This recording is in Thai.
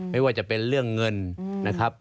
ไม่ว่าจะเป็นเรื่องเงินนะครับ